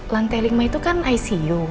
lantai lima itu kan icu